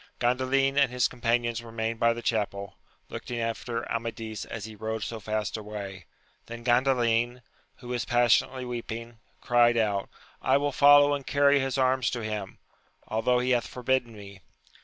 ANDALIN and his companions remained by the chapel, looking after Amadis as he rode 80 fast away : then Gandalin, who was pas sionately weeping, cried out, I will follow and carry his arms to him, although he hath forbidden me!